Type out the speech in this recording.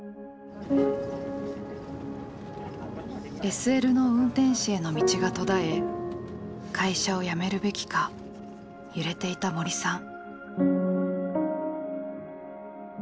ＳＬの運転士への道が途絶え会社を辞めるべきか揺れていた森さん。